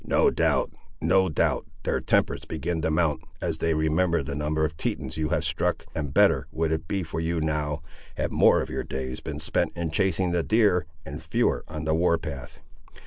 "No doubt, no doubt; their tempers begin to mount, as they remember the number of Tetons you have struck, and better would it be for you now, had more of your days been spent in chasing the deer, and fewer on the war path.